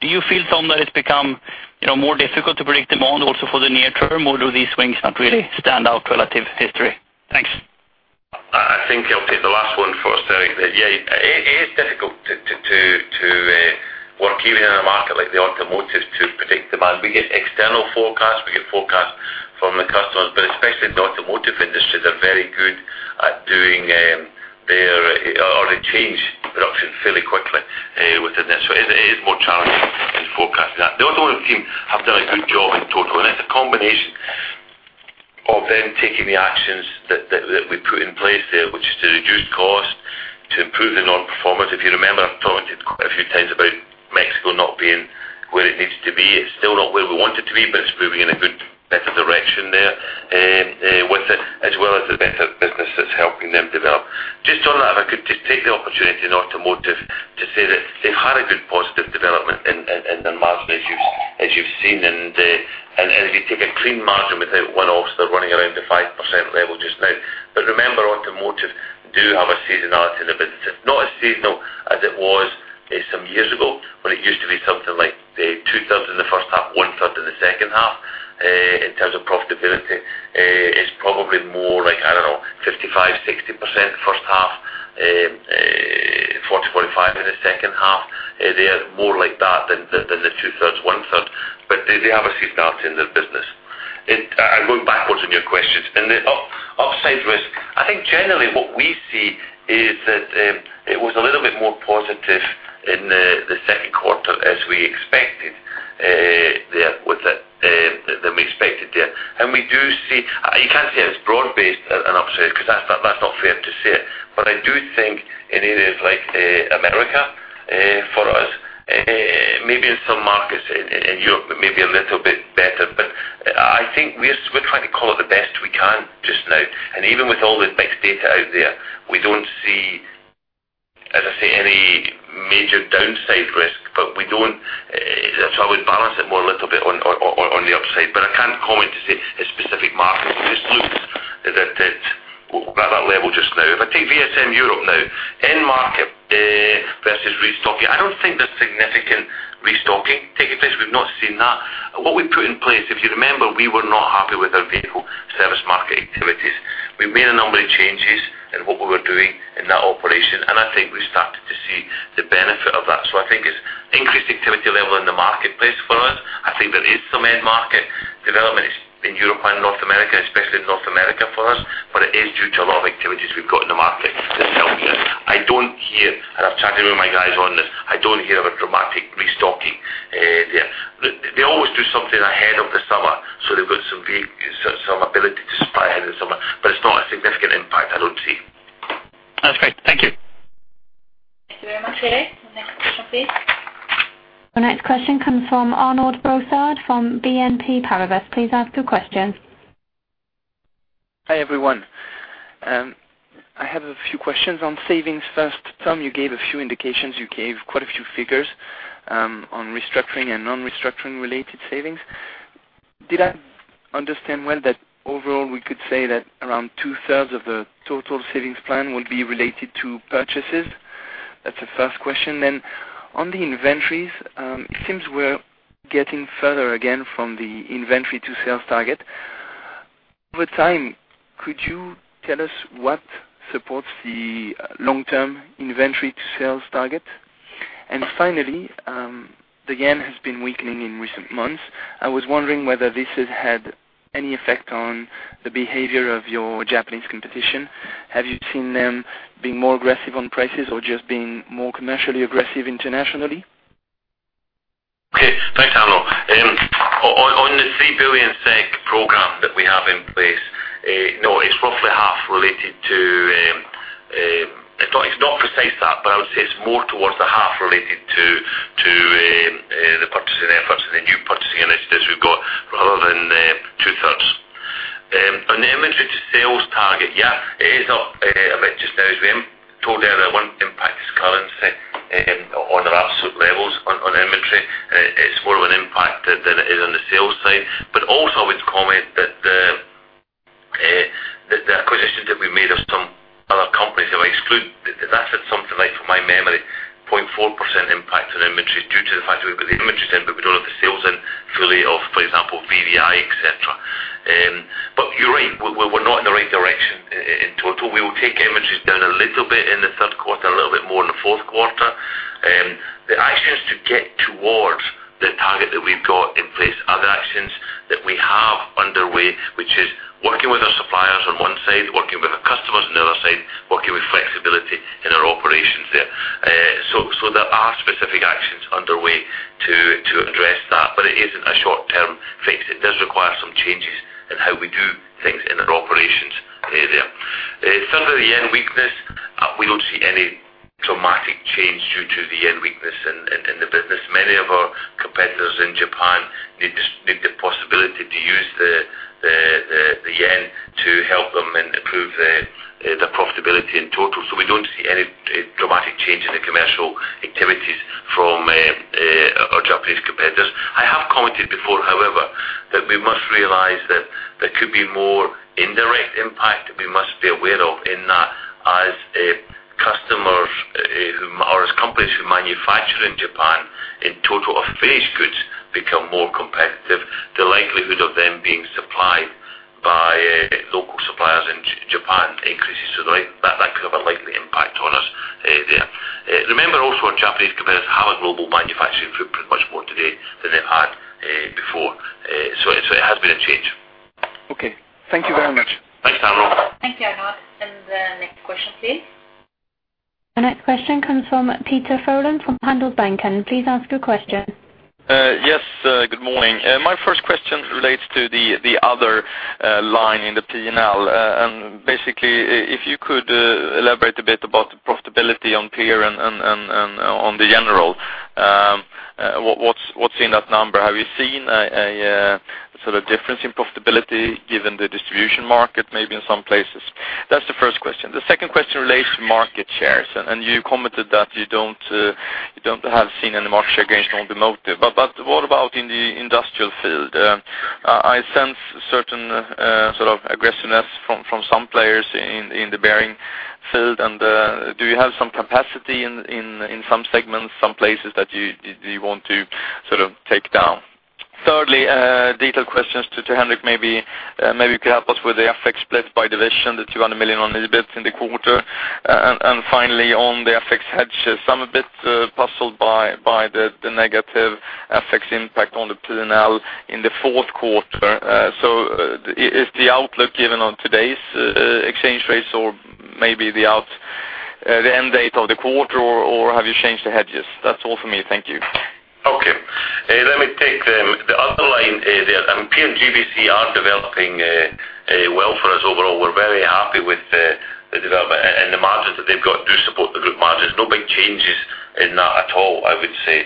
Do you feel, Tom, that it's become, you know, more difficult to predict demand also for the near term, or do these swings not really stand out relative history? Thanks. I think I'll take the last one first, Eric. Yeah, it is difficult to work even in a market like the automotive to predict demand. We get external forecasts, we get forecasts from the customers, but especially in the automotive industry, they're very good at doing or they change production fairly quickly within this. So it is more challenging in forecasting that. The automotive team have done a good job in total, and it's a combination of them taking the actions that we put in place there, which is to reduce cost, to improve the non-performance. If you remember, I've talked a few times about Mexico not being where it needs to be. It's still not where we want it to be, but it's moving in a good better direction there, with it, as well as the better businesses helping them develop. Just on that, if I could just take the opportunity in automotive to say that they've had a good positive development in their margin, as you've seen, and if you take a clean margin without one-offs running around the 5% level just now. But remember, automotive do have a seasonality in the business. It's not as seasonal as it was some years ago, but it used to be something like two-thirds in the H1, one-third in the H2. In terms of profitability, it's probably more like, I don't know, 55-60% H1, 40-45 in the H2. They are more like that than the, than the two-thirds, one-third, but they, they have a seasonality in their business. I'm going backwards on your questions. And the upside risk, I think generally what we see is that, it was a little bit more positive in the, the Q2 as we expected, there with it, than we expected there. And we do see... You can't say it's broad-based and upside, because that's not, that's not fair to say. But I do think in areas like, America, for us, maybe in some markets in, in Europe, may be a little bit better, but I think we're, we're trying to call it the best we can just now. Even with all the mixed data out there, we don't see, as I say, any major downside risk, but we don't, so I would balance it more a little bit on the upside. But I can't comment to say a specific market, just look at that rather level just now. If I take VSM Europe now, end market versus restocking, I don't think there's significant restocking. We've not seen that. What we put in place, if you remember, we were not happy with our Vehicle Service Market activities. We made a number of changes in what we were doing in that operation, and I think we started to see the benefit of that. So I think it's increased activity level in the marketplace for us. I think there is some end market developments in Europe and North America, especially in North America, for us, but it is due to a lot of activities we've got in the market itself. I don't hear, and I've chatted with my guys on this, I don't hear of a dramatic restocking. They always do something ahead of the summer, so they've got some ability to supply ahead of the summer, but it's not a significant impact, I don't see. That's great. Thank you. Thank you very much, Eric. Next question, please. The next question comes from Arnaud Brossard, from BNP Paribas. Please ask your question. Hi, everyone. I have a few questions on savings. First, Tom, you gave a few indications. You gave quite a few figures on restructuring and non-restructuring related savings. Did I understand well that overall, we could say that around two-thirds of the total savings plan will be related to purchases? That's the first question. Then, on the inventories, it seems we're getting further again from the inventory to sales target. Over time, could you tell us what supports the long-term inventory to sales target? And finally, the yen has been weakening in recent months. I was wondering whether this has had any effect on the behavior of your Japanese competition. Have you seen them being more aggressive on prices or just being more commercially aggressive internationally? Okay. Thanks, Arnold. On the 3 billion program that we have in place, no, it's roughly half related to. It's not precise that, but I would say it's more towards the half related to the purchasing efforts and the new purchasing initiatives we've got, rather than two-thirds. On the inventory to sales target, yeah, it is up a bit just now. As we told earlier, I won't impact this currency on our absolute levels on inventory. It's more of an impact than it is on the sales side. But also, I would comment that the acquisitions that we made of some other companies, if I exclude, that's something like, from my memory, 0.4% impact on inventory due to the fact that we put the inventories in, but we don't have the sales in fully of, for example, BVI, et cetera. But you're right, we're not in the right direction in total. We will take inventories down a little bit in the Q3, a little bit more in the Q4. The actions to get towards the target that we've got in place are the actions that we have underway, which is working with our suppliers on one side, working with our customers on the other side, working with flexibility in our operations there. So there are specific actions underway to address that, but it isn't a short-term fix. It does require some changes in how we do things in an operation. Thirdly, the yen weakness, we don't see any dramatic change due to the yen weakness in the business. Many of our competitors in Japan need this, need the possibility to use the yen to help them and improve the profitability in total. So we don't see any dramatic change in the commercial activities from our Japanese competitors. I have commented before, however, that we must realize that there could be more indirect impact that we must be aware of, in that as customers who -- or as companies who manufacture in Japan, in total of finished goods, become more competitive, the likelihood of them being supplied by local suppliers in Japan increases. So, like, that could have a likely impact on us there. Remember also our Japanese competitors have a global manufacturing footprint much more today than they had before. So it has been a change. Okay. Thank you very much. Thanks, Arnold. Thank you, Arnold. And the next question, please. The next question comes from Peder Frölén from Handelsbanken. Please ask your question. Yes, good morning. My first question relates to the other line in the P&L. And basically, if you could elaborate a bit about the profitability on Peer and on the General. What’s in that number? Have you seen a sort of difference in profitability given the distribution market, maybe in some places? That’s the first question. The second question relates to market shares, and you commented that you don’t have seen any market share gains on the motive. But what about in the industrial field? I sense certain sort of aggressiveness from some players in the bearing field. And do you have some capacity in some segments, some places that you want to sort of take down? Thirdly, detailed questions to Henrik. Maybe you could help us with the FX split by division, the 200 million on EBIT in the quarter. And finally, on the FX hedge, so I'm a bit puzzled by the negative FX impact on the P&L in the Q4. So is the outlook given on today's exchange rates or maybe the end date of the quarter, or have you changed the hedges? That's all for me. Thank you. Okay. Let me take the other line there. I mean, Peer GVC are developing well for us overall. We're very happy with the development and the margins that they've got do support the group margins. No big changes in that at all, I would say,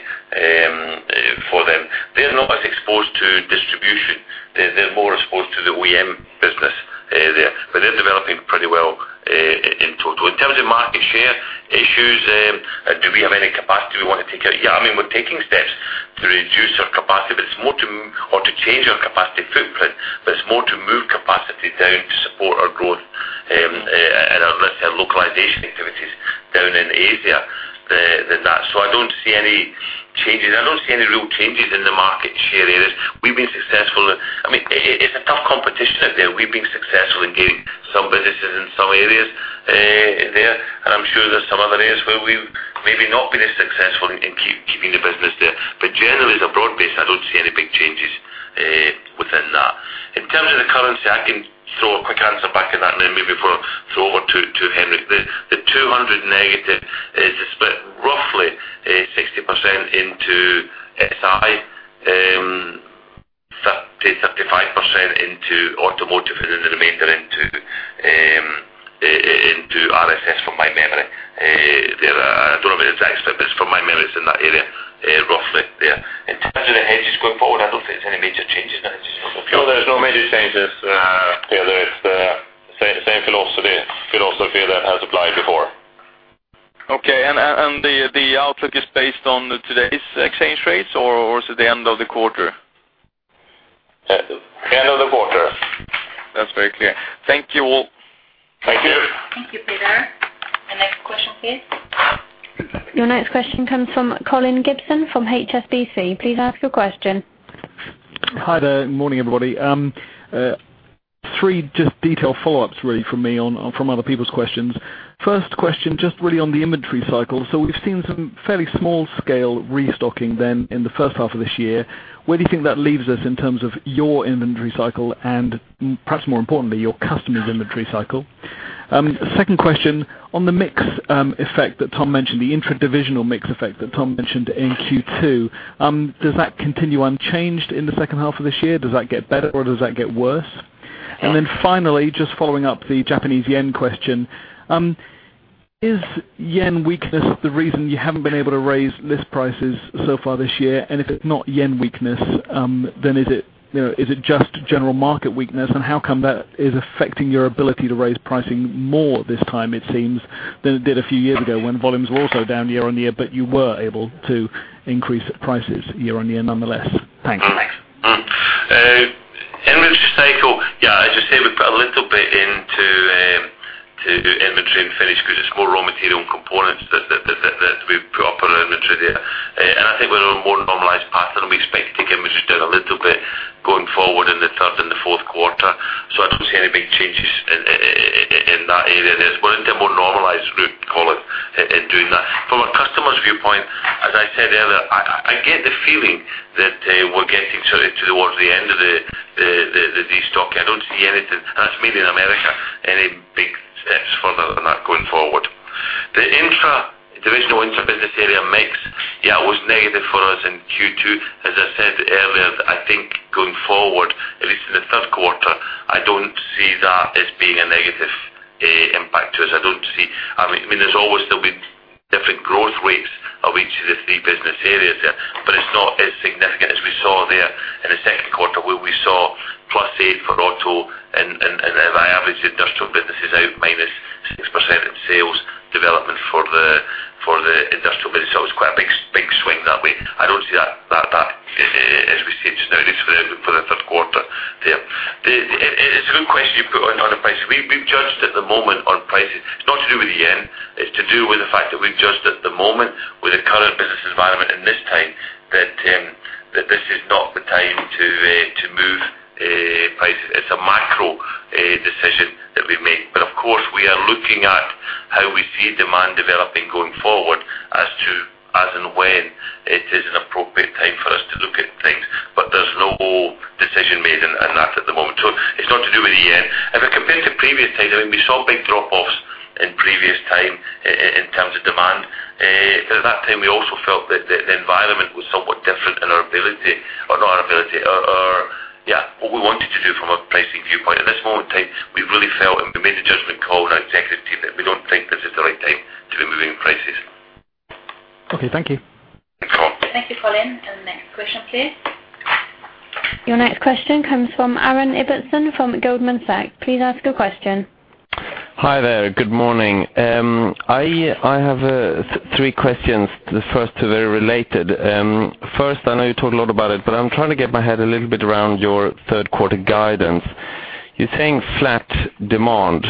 for them. They're not as exposed to distribution. They, they're more exposed to the OEM business there, but they're developing pretty well in total. In terms of market share issues, do we have any capacity we want to take out? Yeah, I mean, we're taking steps to reduce our capacity, but it's more to... Or to change our capacity footprint, but it's more to move capacity down to support our growth, and our localization activities down in Asia, than that. So I don't see any changes. I don't see any real changes in the market share areas. We've been successful. I mean, it's a tough competition out there. We've been successful in gaining some businesses in some areas, there, and I'm sure there's some other areas where we've maybe not been as successful in keeping the business there. But generally, as a broad base, I don't see any big changes within that. In terms of the currency, I can throw a quick answer back at that now, maybe before I throw over to Henrik. The -200 is split roughly 60% into SI, 30%-35% into automotive, and then the remainder into RSS, from my memory. There, I don't know the exact split, but from my memory, it's in that area, roughly there. In terms of the hedges going forward, I don't see any major changes there. There's no major changes. Yeah, there's the same, same philosophy, philosophy that has applied before. Okay. And the outlook is based on today's exchange rates, or is it the end of the quarter? End of the quarter. That's very clear. Thank you all. Thank you. Thank you, Peter. The next question, please. Your next question comes from Colin Gibson from HSBC. Please ask your question. Hi there. Morning, everybody. Three just detailed follow-ups, really, from me on, from other people's questions. First question, just really on the inventory cycle. So we've seen some fairly small scale restocking then in the H1 of this year. Where do you think that leaves us in terms of your inventory cycle and perhaps more importantly, your customers' inventory cycle? Second question, on the mix, effect that Tom mentioned, the intra-divisional mix effect that Tom mentioned in Q2, does that continue unchanged in the H2 of this year? Does that get better, or does that get worse? And then finally, just following up the Japanese yen question, is yen weakness the reason you haven't been able to raise list prices so far this year? And if it's not yen weakness, then is it, you know, is it just general market weakness? How come that is affecting your ability to raise pricing more this time, it seems, than it did a few years ago, when volumes were also down year-on-year, but you were able to increase prices year-on-year, nonetheless? Thanks. Mm-hmm. Inventory cycle, yeah, as you said, we put a little bit into to inventory and finished goods. It's more raw material and components that we put up our inventory there. And I think we're on a more normalized pattern, we expect to get inventory down a little bit going forward in the third and the Q4. So I don't see any big changes in that area. There's well into a more normalized group, Colin, in doing that. From a customer's viewpoint, as I said earlier, I get the feeling that we're getting sort of towards the end of the destocking. I don't see anything, and that's mainly in America, any big steps further than that going forward. The intra, divisional intra business-... Forward, at least in the Q3, I don't see that as being a negative impact to us. I don't see—I mean, there's always there'll be different growth rates of each of the three business areas there, but it's not as significant as we saw there in the Q2, where we saw +8 for auto, and if I average the Industrial businesses out, -6% in sales development for the industrial business. So it's quite a big, big swing that way. I don't see that back as we see it now for the Q3 there. It's a good question you put on the price. We've judged at the moment on pricing. It's not to do with the yen, it's to do with the fact that we've judged at the moment with the current business environment in this time that this is not the time to move prices. It's a macro decision that we make. But of course, we are looking at how we see demand developing going forward as to as and when it is an appropriate time for us to look at things, but there's no decision made in that at the moment. So it's not to do with the yen. If I compare to previous times, I mean, we saw big drop-offs in previous time in terms of demand. But at that time, we also felt that the environment was somewhat different, and our ability, or not our ability, our, our... Yeah, what we wanted to do from a pricing viewpoint. At this moment in time, we've really felt, and we made a judgment call, our executive team, that we don't think this is the right time to be moving prices. Okay, thank you. No problem. Thank you, Colin. And next question, please. Your next question comes from Aaron Ibbotson, from Goldman Sachs. Please ask your question. Hi there. Good morning. I have three questions. The first two are related. First, I know you talked a lot about it, but I'm trying to get my head a little bit around your Q3 guidance. You're saying flat demand.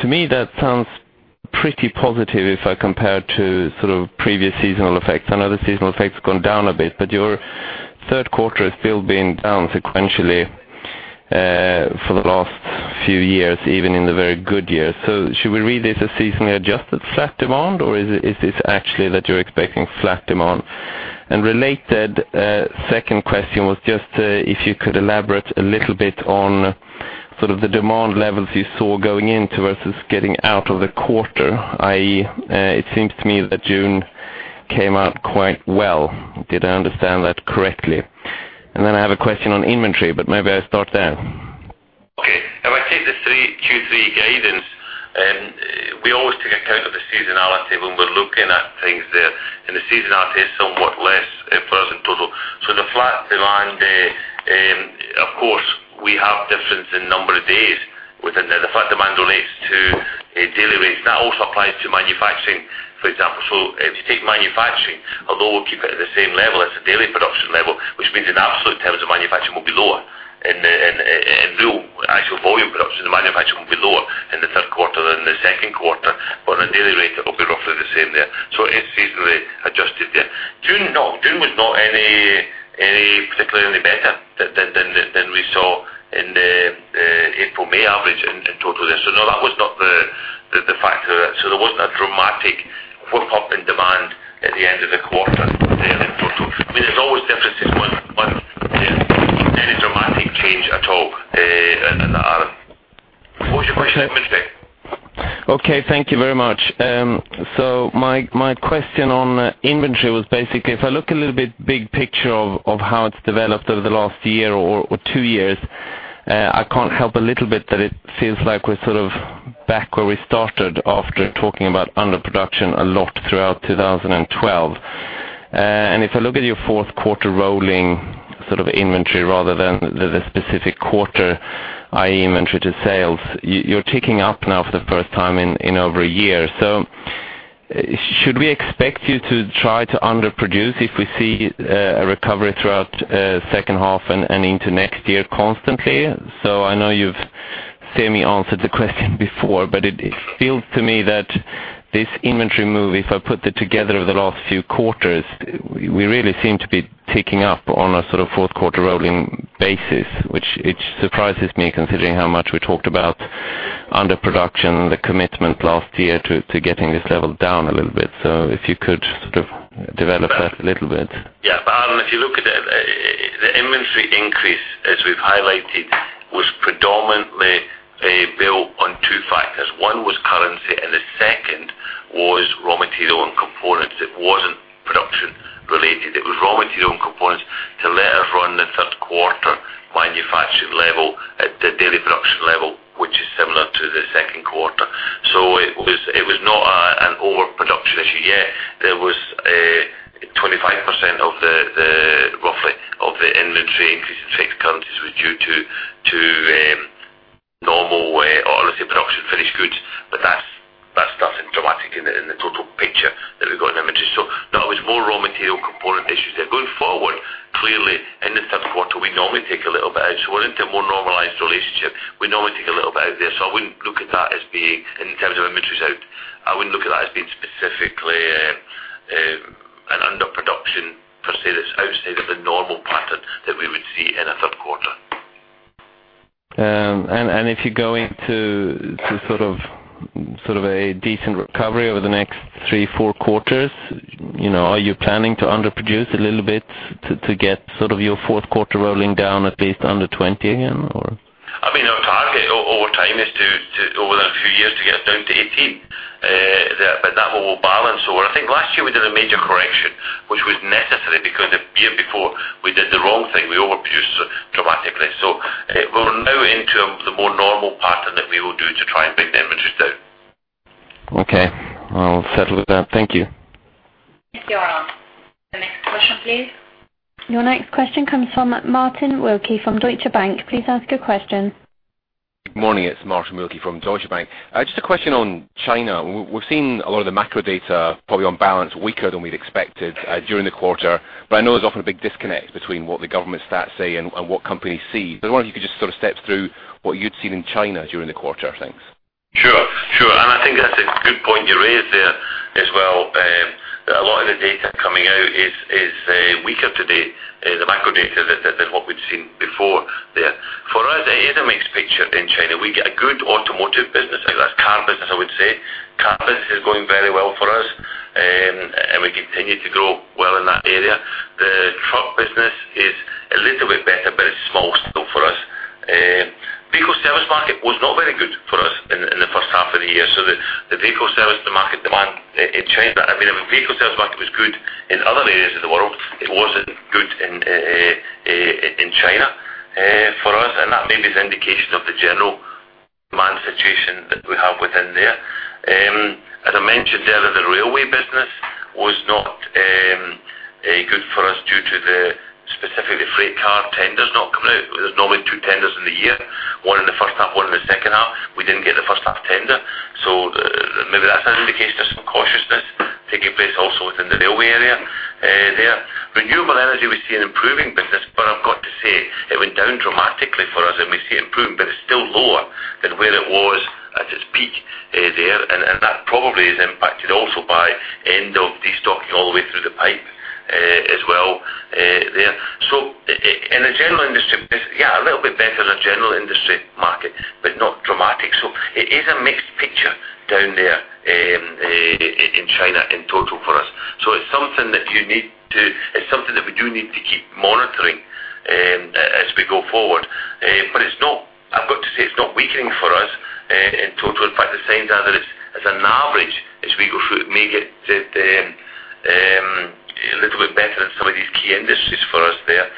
To me, that sounds pretty positive if I compare it to sort of previous seasonal effects. I know the seasonal effects have gone down a bit, but your Q3 is still being down sequentially for the last few years, even in the very good years. So should we read this as seasonally adjusted flat demand, or is it, is this actually that you're expecting flat demand? And related, second question was just, if you could elaborate a little bit on sort of the demand levels you saw going in towards us getting out of the quarter, i.e., it seems to me that June came out quite well. Did I understand that correctly? And then I have a question on inventory, but maybe I start there. Okay. If I take the three Q3 guidance, we always take account of the seasonality when we're looking at things there, and the seasonality is somewhat less for us in total. So the flat demand there, of course, we have difference in number of days within there. The flat demand relates to a daily rate. That also applies to manufacturing, for example. So if you take manufacturing, although we'll keep it at the same level, it's a daily production level, which means in absolute terms, the manufacturing will be lower. In real actual volume production, the manufacturing will be lower in the Q3 than the Q2, but on a daily rate, it will be roughly the same there. So it's seasonally adjusted there. June, no, June was not any particularly better than we saw in the April-May average in total there. So no, that was not the factor of that. So there wasn't a dramatic upturn in demand at the end of the quarter there in total. I mean, there's always differences month-on-month. There isn't any dramatic change at all in that, Aaron. What was your question on inventory? Okay, thank you very much. So my question on inventory was basically, if I look a little bit big picture of how it's developed over the last year or two years, I can't help a little bit that it feels like we're sort of back where we started after talking about underproduction a lot throughout 2012. And if I look at your Q4 rolling sort of inventory rather than the specific quarter, i.e., inventory to sales, you're ticking up now for the first time in over a year. So should we expect you to try to underproduce if we see a recovery throughout H2 and into next year constantly? So I know you've semi-answered the question before, but it feels to me that this inventory move, if I put it together over the last few quarters, we really seem to be ticking up on a sort of Q4 rolling basis, which it surprises me, considering how much we talked about underproduction, the commitment last year to getting this level down a little bit. So if you could sort of develop that a little bit. Yeah. Aaron, if you look at it, the inventory increase, as we've highlighted, was predominantly built on two factors. One was currency, and the second was raw material and components. It wasn't production related. It was raw material and components to let us run the Q3 manufacturing level at the daily production level, which is similar to the Q2. So it was not an overproduction issue. Yeah, there was 25% of the roughly of the inventory increase in fixed currencies due to normal way, or let's say, production finished goods, but that's nothing dramatic in the total picture that we've got in inventory. So that was more raw material component issues. Then going forward, clearly, in the Q3, we normally take a little bit out. So we're into a more normalized relationship. We normally take a little bit out there, so I wouldn't look at that as being, in terms of inventories out, I wouldn't look at that as being specifically an underproduction per se. That's outside of the normal pattern that we would see in a Q3. If you go into a decent recovery over the next three, four quarters, you know, are you planning to underproduce a little bit to get sort of your Q4 rolling down at least under 20 again, or? I mean, our target over time is to over the few years to get down to 18. I think last year we did a major correction, which was necessary because the year before, we did the wrong thing. We overproduced dramatically. So we're now into the more normal pattern that we will do to try and bring the inventories down. Okay, I'll settle with that. Thank you. Thank you. The next question, please. Your next question comes from Martin Wilkie from Deutsche Bank. Please ask your question. Good morning, it's Martin Wilkie from Deutsche Bank. Just a question on China. We've, we've seen a lot of the macro data, probably on balance, weaker than we'd expected, during the quarter. But I wonder if you could just sort of step through what you'd seen in China during the quarter, thanks. Sure, sure. And I think that's a good point you raised there as well. That a lot of the data coming out is weaker today, the macro data, than what we've seen before there. For us, it is a mixed picture in China. We get a good Automotive business, like Car business, I would say. Car business is going very well for us, and we continue to grow well in that area. The Truck business is a little bit better, but it's small still for us. Vehicle Service Market was not very good for us in the H1 of the year. So the Vehicle Service Market demand in China, I mean, the Vehicle Service Market was good in other areas of the world. It wasn't good in China for us, and that may be an indication of the general demand situation that we have within there. As I mentioned earlier, the railway business was not good for us due to the specifically freight car tenders not coming out. There's normally two tenders in the year, one in the H1, one in the H2. We didn't get the H1 tender, so maybe that's an indication there's some cautiousness taking place also within the railway area there. Renewable Energy, we see an improving business, but I've got to say, it went down dramatically for us, and we see improvement, but it's still lower than where it was at its peak there. And that probably is impacted also by end of destocking all the way through the pipe as well there. So in the General Industry, yeah, a little bit better in the General Industry market, but not dramatic. So it is a mixed picture down there in China in total for us. So it's something that we do need to keep monitoring as we go forward. But it's not... I've got to say, it's not weakening for us in total. In fact, the signs are that it's, as an average, as we go through it, may get a little bit better in some of these key industries for us there.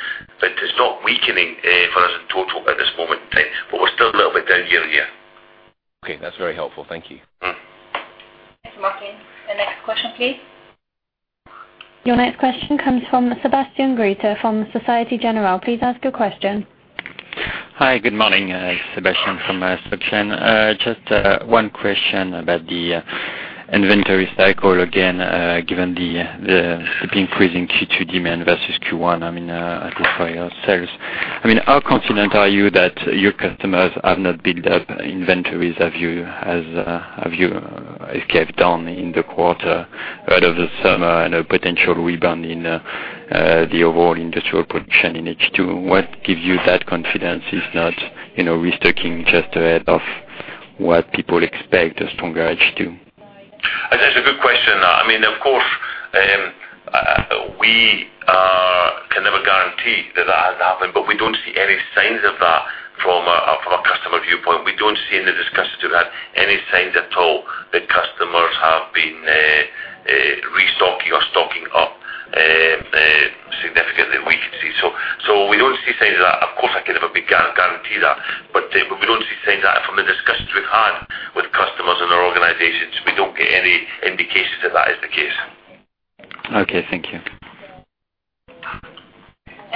But it's not weakening for us in total at this moment in time, but we're still a little bit down year-on-year. Okay, that's very helpful. Thank you. Thanks, Martin. The next question, please. Your next question comes from Sébastien Gruter from Société Générale. Please ask your question. Hi, good morning. Sebastian from Soc Gen. Just one question about the inventory cycle again, given the increasing Q2 demand versus Q1, I mean, as for your sales. I mean, how confident are you that your customers have not built up inventories as you kept down in the quarter, out of the summer and a potential rebound in the overall industrial production in H2? What gives you that confidence it's not restocking just ahead of what people expect a stronger H2? That's a good question. I mean, of course, we can never guarantee that that has happened, but we don't see any signs of that from a customer viewpoint. We don't see in the discussions we've had any signs at all that customers have been restocking or stocking up significantly that we can see. So, we don't see signs of that. Of course, I can never guarantee that, but we don't see signs of that from the discussions we've had with customers in our organizations. We don't get any indications that that is the case. Okay, thank you.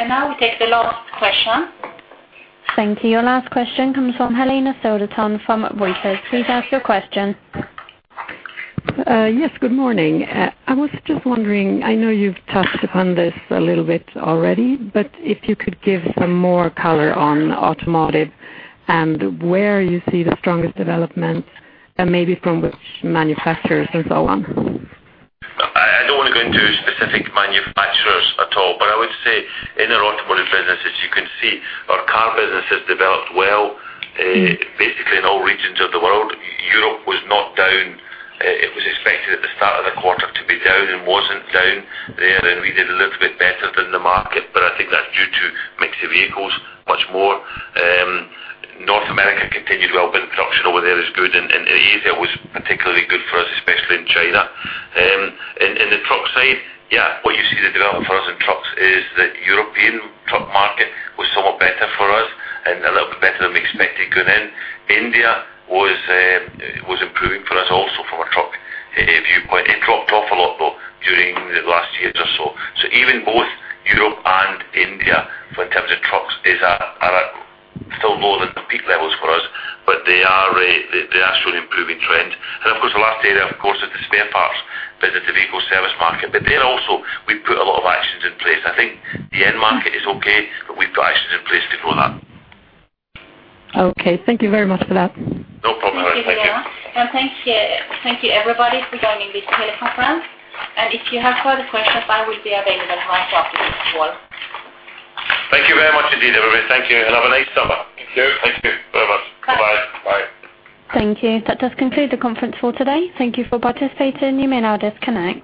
Now we take the last question. Thank you. Your last question comes from Helena Söderpalm from Reuters. Please ask your question. Yes, good morning. I was just wondering, I know you've touched upon this a little bit already, but if you could give some more color on automotive and where you see the strongest development, and maybe from which manufacturers and so on? I don't want to go into specific manufacturers at all, but I would say in our Automotive businesses, you can see our Car business has developed well, basically in all regions of the world. Europe was not down. It was expected at the start of the quarter to be down and wasn't down there, and we did a little bit better than the market, but I think that's due to mix of vehicles much more. North America continued well, but production over there is good, and Asia was particularly good for us, especially in China. In the truck side, yeah, what you see the development for us in trucks is that European truck market was somewhat better for us and a little bit better than we expected going in. India was improving for us also from a truck viewpoint. It dropped off a lot, though, during the last year or so. So even both Europe and India, in terms of trucks, is at a still lower than the peak levels for us, but they are showing improving trend. And of course, the last area, of course, is the spare parts business, the Vehicle Service Market. But there also, we put a lot of actions in place. I think the end market is okay, but we've got actions in place before that. Okay, thank you very much for that. No problem at all. Thank you, Helena. Thank you, thank you, everybody, for joining this teleconference. If you have further questions, I will be available half after this call. Thank you very much indeed, everybody. Thank you, and have a nice summer. Thank you. Thank you very much. Bye. Bye-bye. Bye. Thank you. That does conclude the conference call today. Thank you for participating. You may now disconnect.